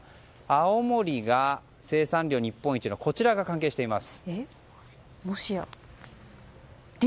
青森が生産量日本一のこちらが関係しています。